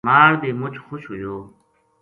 مال بے مُچ خوش ہویو